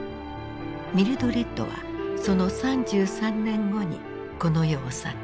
ミルドレッドはその３３年後にこの世を去った。